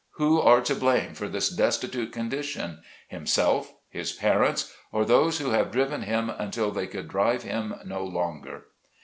Who are to blame for his destitute condition, himself, his parents, or those who have driven him until they could drive him no longer